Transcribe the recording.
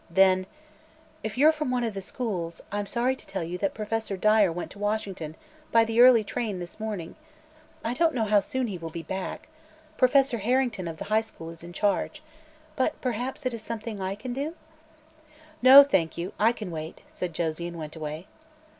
Then: "If you're from one of the schools, I'm sorry to tell you that Professor Dyer went to Washington by the early train this morning. I don't know how soon he will be back. Professor Harrington of the High School is in charge. But perhaps it is something I can do?" "No, thank you; I can wait," said Josie, and went away.